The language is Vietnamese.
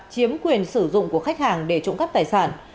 chiếm quyền sử dụng của khách hàng để trụng cấp tài sản